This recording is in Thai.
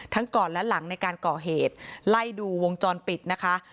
ก่อนและหลังในการก่อเหตุไล่ดูวงจรปิดนะคะ